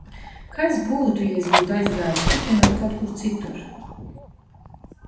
Kas būtu, ja es būtu aizgājusi pusdienot kaut kur citur?